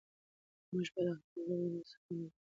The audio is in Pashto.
موږ باید د خپلو ژویو د نسل ساتنه وکړو.